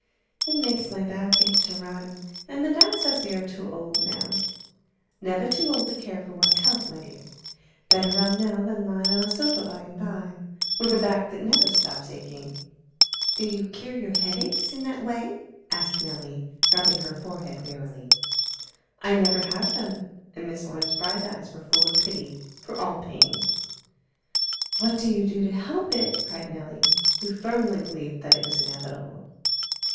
"It makes my back ache to run, and Madame says we are too old now." "Never too old to care for one's health, my dear. Better run now than lie on a sofa by and by, with a back that never stops aching." "Do you cure your headaches in that way?" asked Nelly, rubbing her forehead wearily. "I never have them;" and Miss Orne's bright eyes were full of pity for all pain. "What do you do to help it?" cried Nelly, who firmly believed that it was inevitable.